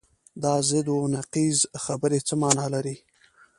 دا ضد و نقیض خبرې څه معنی لري؟